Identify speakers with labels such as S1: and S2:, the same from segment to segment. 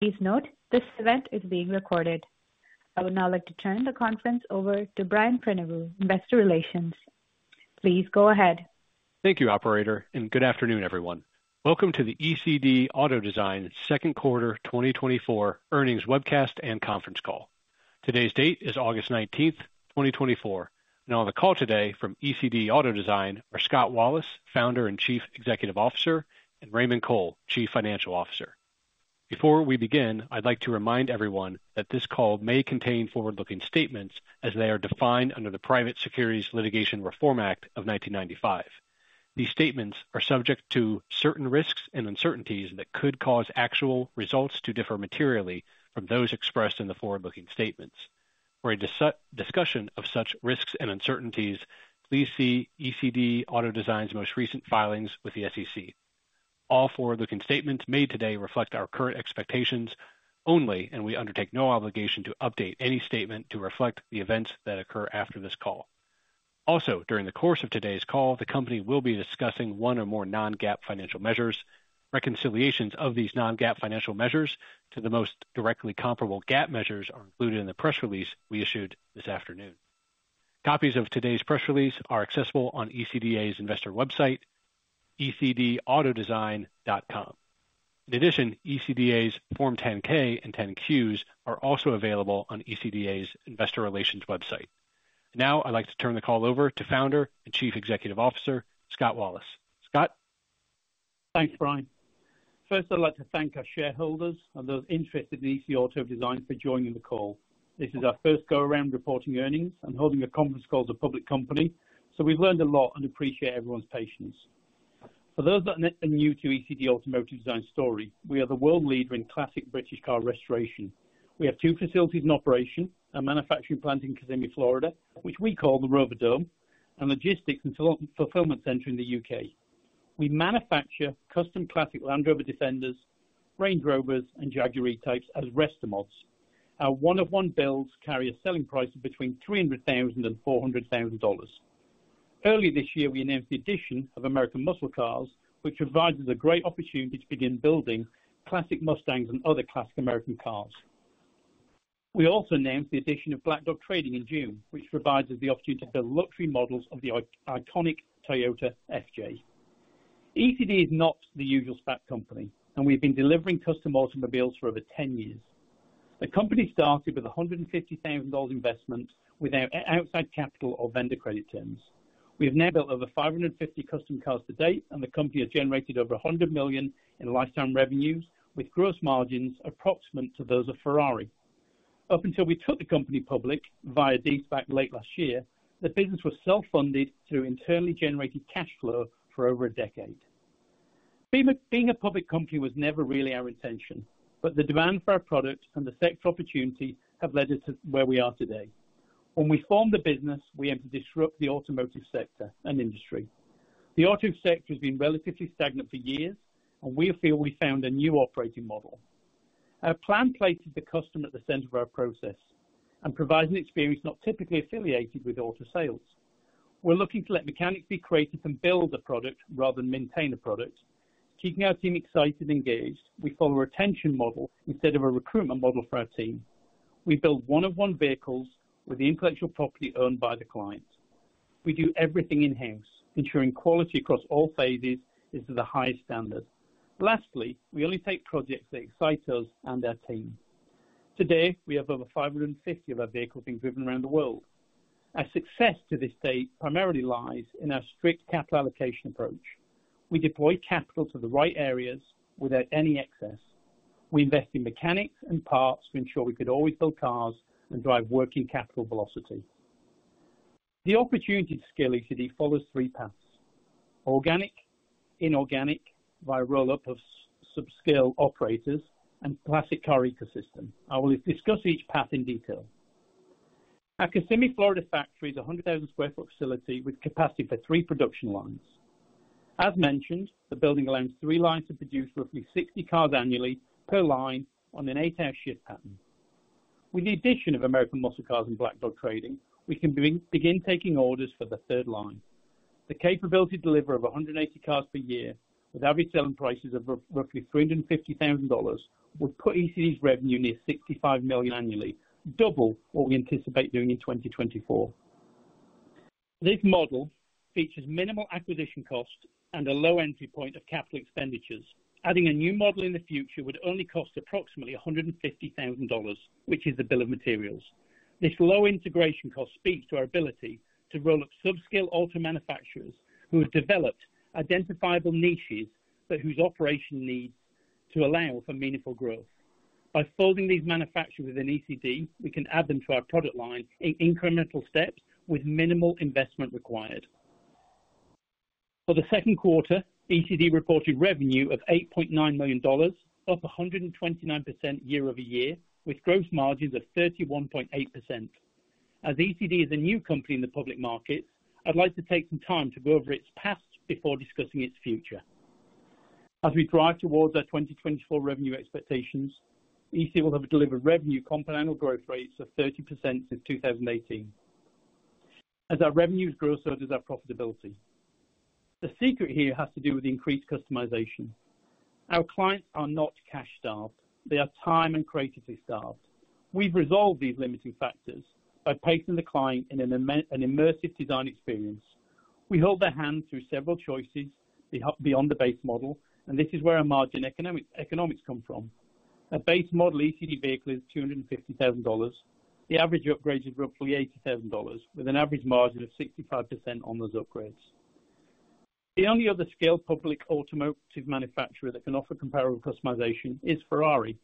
S1: Please note, this event is being recorded. I would now like to turn the conference over to Brian Prenoveau, Investor Relations. Please go ahead.
S2: Thank you, operator, and good afternoon, everyone. Welcome to the ECD Auto Design Second Quarter 2024 Earnings Webcast and Conference Call. Today's date is August 19th, 2024, and on the call today from ECD Auto Design are Scott Wallace, Founder and Chief Executive Officer, and Raymond Cole, Chief Financial Officer. Before we begin, I'd like to remind everyone that this call may contain forward-looking statements as they are defined under the Private Securities Litigation Reform Act of 1995. These statements are subject to certain risks and uncertainties that could cause actual results to differ materially from those expressed in the forward-looking statements. For a discussion of such risks and uncertainties, please see ECD Auto Design's most recent filings with the SEC. All forward-looking statements made today reflect our current expectations only, and we undertake no obligation to update any statement to reflect the events that occur after this call. Also, during the course of today's call, the company will be discussing one or more non-GAAP financial measures. Reconciliations of these non-GAAP financial measures to the most directly comparable GAAP measures are included in the press release we issued this afternoon. Copies of today's press release are accessible on ECDA's investor website, ecdautodesign.com. In addition, ECDA's Form 10-K and 10-Qs are also available on ECDA's investor relations website. Now, I'd like to turn the call over to Founder and Chief Executive Officer, Scott Wallace. Scott?
S3: Thanks, Brian. First, I'd like to thank our shareholders and those interested in ECD Automotive Design for joining the call. This is our first go-around reporting earnings and holding a conference call as a public company, so we've learned a lot and appreciate everyone's patience. For those that are new to ECD Automotive Design story, we are the world leader in classic British car restoration. We have two facilities in operation, a manufacturing plant in Kissimmee, Florida, which we call the Rover Dome, and Logistics and Fulfillment Center in the U.K. We manufacture custom classic Land Rover Defenders, Range Rovers, and Jaguar E-Types as restomods. Our one-of-one builds carry a selling price of between $300,000 and $400,000. Early this year, we announced the addition of American muscle cars, which provides us a great opportunity to begin building classic Mustangs and other classic American cars.
S2: We also announced the addition of Black Dog Traders in June, which provides us the opportunity to build luxury models of the iconic Toyota FJ. ECD is not the usual SPAC company, and we've been delivering custom automobiles for over ten years. The company started with a $150,000 investment without outside capital or vendor credit terms. We have now built over 550 custom cars to date, and the company has generated over $100 million in lifetime revenues, with gross margins approximate to those of Ferrari. Up until we took the company public via de-SPAC late last year, the business was self-funded through internally generated cash flow for over a decade. Being a public company was never really our intention, but the demand for our products and the sector opportunity have led us to where we are today. When we formed the business, we aimed to disrupt the automotive sector and industry. The auto sector has been relatively stagnant for years, and we feel we found a new operating model. Our plan places the customer at the center of our process and provides an experience not typically affiliated with auto sales. We're looking to let mechanics be creative and build a product rather than maintain a product. Keeping our team excited and engaged, we follow a retention model instead of a recruitment model for our team. We build one-of-one vehicles with the intellectual property owned by the clients. We do everything in-house, ensuring quality across all phases is to the highest standard. Lastly, we only take projects that excite us and our team. Today, we have over five hundred and fifty of our vehicles being driven around the world. Our success to this day primarily lies in our strict capital allocation approach. We deploy capital to the right areas without any excess. We invest in mechanics and parts to ensure we could always build cars and drive working capital velocity. The opportunity to scale ECD follows three paths: organic, inorganic, by roll-up of subscale operators, and classic car ecosystem. I will discuss each path in detail. Our Kissimmee, Florida, factory is a 100,000 sq ft facility with capacity for three production lines. As mentioned, the building allows three lines to produce roughly 60 cars annually per line on an eight-hour shift pattern. With the addition of American muscle cars and Black Dog Traders, we can begin taking orders for the third line. The capability to deliver 180 cars per year with average selling prices of roughly $350,000 would put ECD's revenue near $65 million annually, double what we anticipate doing in 2024. This model features minimal acquisition costs and a low entry point of capital expenditures. Adding a new model in the future would only cost approximately $150,000, which is the bill of materials. This low integration cost speaks to our ability to roll up subscale auto manufacturers who have developed identifiable niches, but whose operation needs to allow for meaningful growth. By folding these manufacturers within ECD, we can add them to our product line in incremental steps with minimal investment required. For the second quarter, ECD reported revenue of $8.9 million, up 129% year-over-year, with gross margins of 31.8%. As ECD is a new company in the public market, I'd like to take some time to go over its past before discussing its future. As we drive towards our 2024 revenue expectations, ECD will have delivered revenue compound annual growth rates of 30% since 2018. As our revenues grow, so does our profitability. The secret here has to do with increased customization. Our clients are not cash-starved, they are time and creatively starved. We've resolved these limiting factors by placing the client in an immersive design experience. We hold their hand through several choices beyond the base model, and this is where our margin economics come from. A base model ECD vehicle is $250,000. The average upgrade is roughly $80,000, with an average margin of 65% on those upgrades. The only other scaled public automotive manufacturer that can offer comparable customization is Ferrari.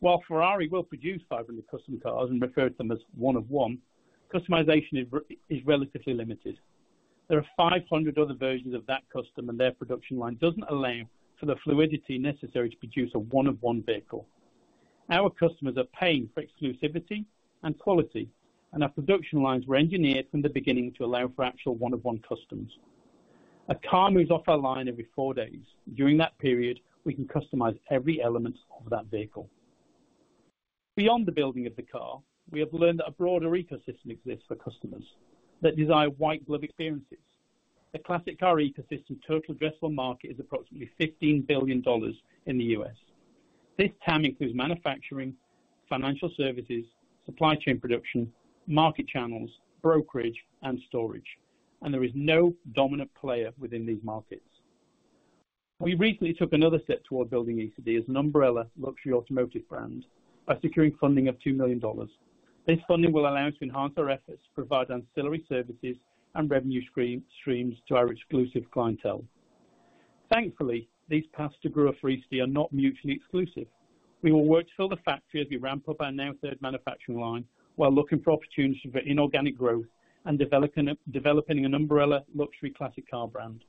S2: While Ferrari will produce 500 custom cars and refer to them as one-of-one, customization is relatively limited. There are 500 other versions of that custom, and their production line doesn't allow for the fluidity necessary to produce a one-of-one vehicle. Our customers are paying for exclusivity and quality, and our production lines were engineered from the beginning to allow for actual one-of-one customs. A car moves off our line every four days. During that period, we can customize every element of that vehicle. Beyond the building of the car, we have learned that a broader ecosystem exists for customers that desire white glove experiences. The classic car ecosystem total addressable market is approximately $15 billion in the U.S. This TAM includes manufacturing, financial services, supply chain production, market channels, brokerage, and storage, and there is no dominant player within these markets. We recently took another step toward building ECD as an umbrella luxury automotive brand by securing funding of $2 million. This funding will allow us to enhance our efforts to provide ancillary services and revenue streams to our exclusive clientele. Thankfully, these paths to grow ECD are not mutually exclusive. We will work to fill the factory as we ramp up our now third manufacturing line, while looking for opportunities for inorganic growth and developing an umbrella luxury classic car brand.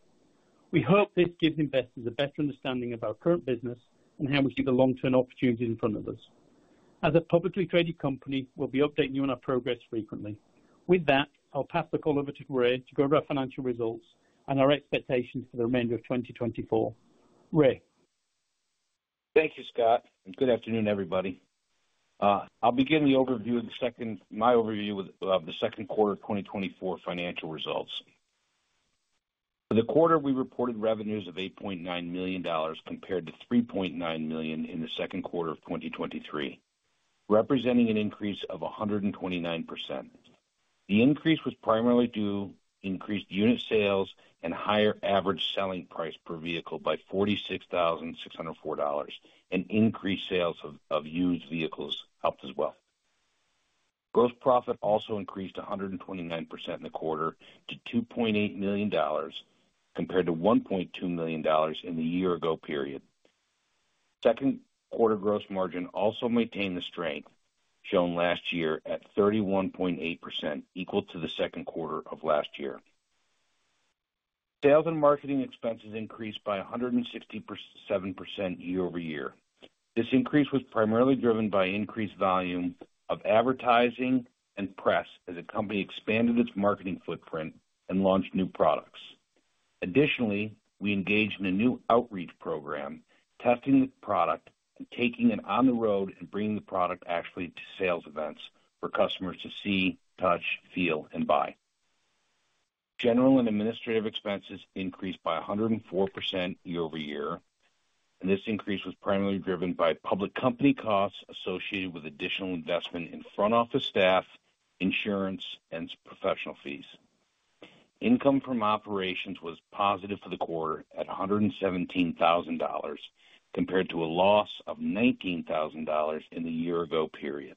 S2: We hope this gives investors a better understanding of our current business and how we see the long-term opportunities in front of us. As a publicly traded company, we'll be updating you on our progress frequently. With that, I'll pass the call over to Ray to go over our financial results and our expectations for the remainder of 2024. Ray?
S4: Thank you, Scott, and good afternoon, everybody. I'll begin my overview of the second quarter of 2024 financial results. For the quarter, we reported revenues of $8.9 million, compared to $3.9 million in the second quarter of 2023, representing an increase of 129%. The increase was primarily due to increased unit sales and higher average selling price per vehicle by $46,604, and increased sales of used vehicles helped as well. Gross profit also increased 129% in the quarter to $2.8 million, compared to $1.2 million in the year ago period. Second quarter gross margin also maintained the strength shown last year at 31.8%, equal to the second quarter of last year.
S2: Sales and marketing expenses increased by 157% year-over-year. This increase was primarily driven by increased volume of advertising and press as the company expanded its marketing footprint and launched new products. Additionally, we engaged in a new outreach program, testing the product and taking it on the road and bringing the product actually to sales events for customers to see, touch, feel, and buy. General and administrative expenses increased by 104% year-over -year, and this increase was primarily driven by public company costs associated with additional investment in front office staff, insurance, and professional fees. Income from operations was positive for the quarter at $117,000, compared to a loss of $19,000 in the year ago period.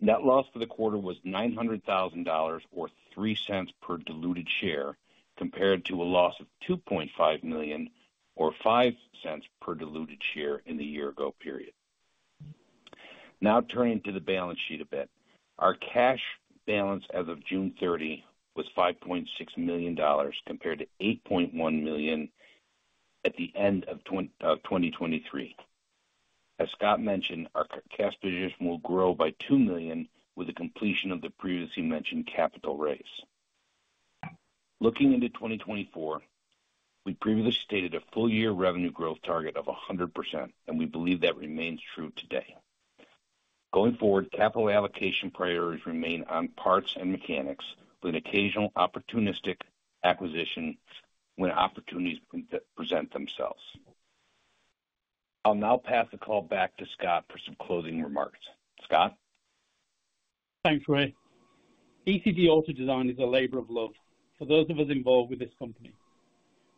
S2: Net loss for the quarter was $900,000 or $0.03 per diluted share, compared to a loss of $2.5 million or $0.05 per diluted share in the year ago period. Now, turning to the balance sheet a bit. Our cash balance as of June 30 was $5.6 million, compared to $8.1 million at the end of 2023. As Scott mentioned, our cash position will grow by $2 million with the completion of the previously mentioned capital raise. Looking into 2024, we previously stated a full year revenue growth target of 100%, and we believe that remains true today. Going forward, capital allocation priorities remain on parts and mechanics, with an occasional opportunistic acquisition when opportunities present themselves. I'll now pass the call back to Scott for some closing remarks. Scott?
S3: Thanks, Ray. ECD Auto Design is a labor of love for those of us involved with this company.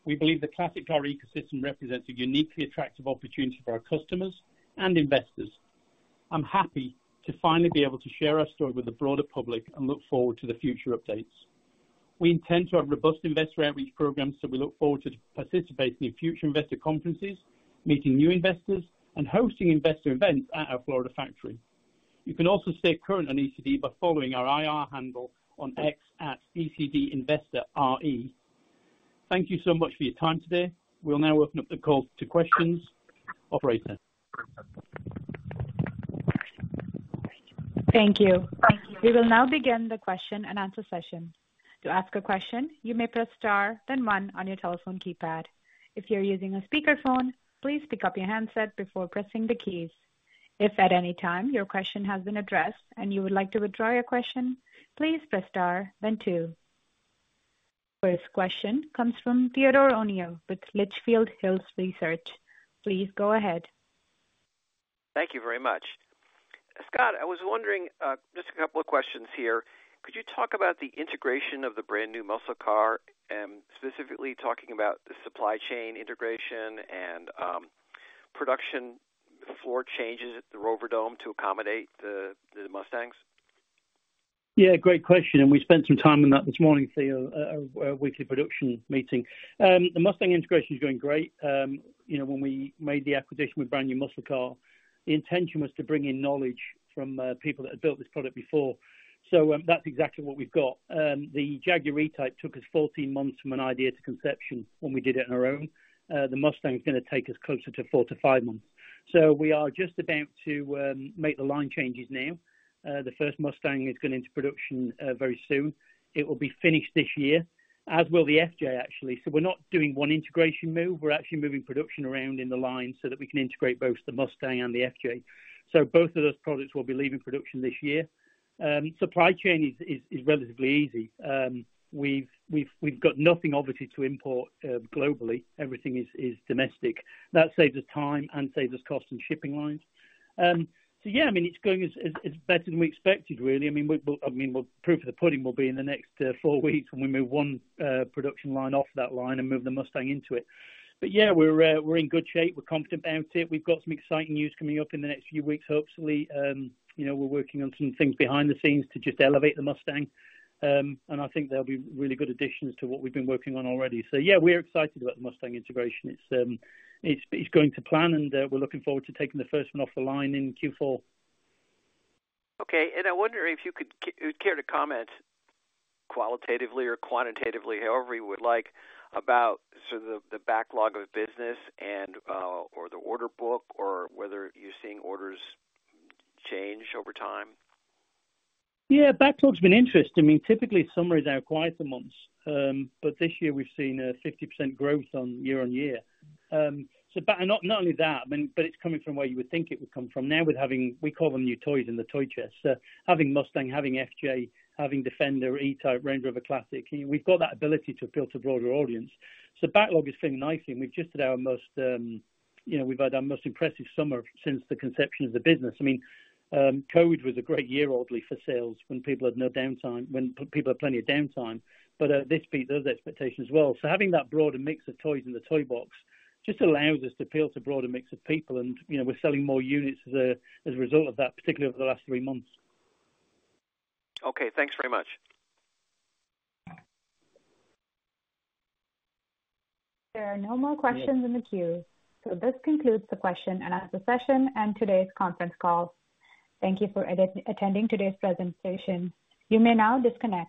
S3: We believe the classic car ecosystem represents a uniquely attractive opportunity for our customers and investors. I'm happy to finally be able to share our story with the broader public and look forward to the future updates. We intend to have robust investor outreach programs, so we look forward to participating in future investor conferences, meeting new investors, and hosting investor events at our Florida factory. You can also stay current on ECD by following our IR handle on X at ECD Investor Relations. Thank you so much for your time today. We'll now open up the call to questions. Operator?
S1: Thank you. We will now begin the question and answer session. To ask a question, you may press star then one on your telephone keypad. If you're using a speakerphone, please pick up your handset before pressing the keys.... If at any time your question has been addressed and you would like to withdraw your question, please press star then two. First question comes from Theodore O'Neill with Litchfield Hills Research. Please go ahead.
S5: Thank you very much. Scott, I was wondering, just a couple of questions here. Could you talk about the integration of the Brand New Muscle Car and specifically talking about the supply chain integration and, production floor changes at the Rover Dome to accommodate the, the Mustangs?
S3: Yeah, great question, and we spent some time on that this morning, Theo, at a weekly production meeting. The Mustang integration is going great. You know, when we made the acquisition with Brand New Muscle Car, the intention was to bring in knowledge from people that had built this product before. So, that's exactly what we've got. The Jaguar E-Type took us 14 months from an idea to conception when we did it on our own. The Mustang is going to take us closer to four to five months. So we are just about to make the line changes now. The first Mustang is going into production very soon. It will be finished this year, as will the FJ, actually.
S2: So we're not doing one integration move, we're actually moving production around in the line so that we can integrate both the Mustang and the FJ. So both of those products will be leaving production this year. Supply chain is relatively easy. We've got nothing, obviously, to import globally. Everything is domestic. That saves us time and saves us costs in shipping lines. So yeah, I mean, it's going better than we expected, really. I mean, we've, I mean, well, proof of the pudding will be in the next four weeks when we move one production line off that line and move the Mustang into it. But yeah, we're in good shape. We're confident about it. We've got some exciting news coming up in the next few weeks, hopefully. You know, we're working on some things behind the scenes to just elevate the Mustang. I think they'll be really good additions to what we've been working on already. So yeah, we're excited about the Mustang integration. It's going to plan, and we're looking forward to taking the first one off the line in Q4.
S5: Okay. And I wonder if you'd care to comment qualitatively or quantitatively, however you would like, about sort of the backlog of business and or the order book, or whether you're seeing orders change over time?
S3: Yeah, backlog's been interesting. I mean, typically, summer is our quieter months, but this year we've seen a 50% growth on year-on-year. So but not, not only that, but, but it's coming from where you would think it would come from. Now, we're having, we call them new toys in the toy chest. So having Mustang, having FJ, having Defender, E-type, Range Rover Classic, we've got that ability to appeal to a broader audience. So backlog is doing nicely. We've just had our most, you know, we've had our most impressive summer since the conception of the business. I mean, COVID was a great year, oddly, for sales, when people had no downtime, when people had plenty of downtime, but this beat those expectations as well.
S2: Having that broader mix of toys in the toy box just allows us to appeal to a broader mix of people, and, you know, we're selling more units as a result of that, particularly over the last three months.
S5: Okay, thanks very much.
S1: There are no more questions in the queue. So this concludes the question and answer session and today's conference call. Thank you for attending today's presentation. You may now disconnect.